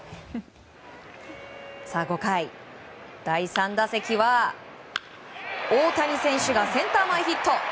５回、第３打席は大谷選手がセンター前ヒット。